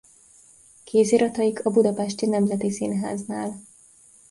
Kézirataik a budapesti Nemzeti Színháznál.